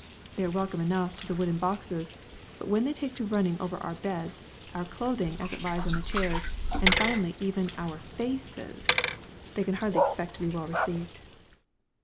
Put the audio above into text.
They are welcome enough to the wooden boxes, but when they take to running over our beds, our clothing as it lies on the chairs, and finally even over our faces, they can hardly expect to be well received!